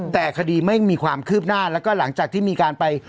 แต่คดีไม่มีความคืบหน้าแล้วก็หลังจากที่มีการไป